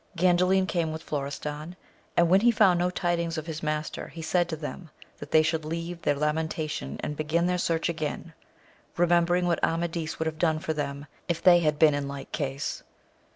Gandalin came with Florestan, and, when he found no tidings of his master, he said to them, that they should leave their lamentation and begin their search again, remembering what Amadis would have done for them if they had been in like case.